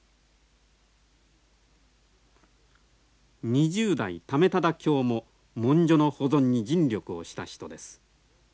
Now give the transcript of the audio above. ２０代為理卿も文書の保存に尽力をした人です。